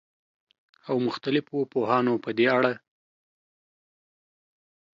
او مختلفو پوهانو په دې اړه